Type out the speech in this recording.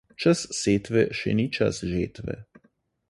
Čas setve še ni čas žetve.